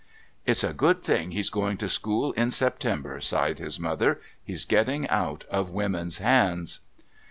"It's a good thing he's going to school in September," sighed his mother. "He's getting out of women's hands."